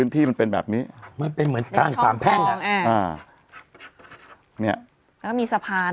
ที่มันเป็นแบบนี้มันเป็นเหมือนกลางสามแพ่งอ่ะอ่าเนี้ยแล้วก็มีสะพาน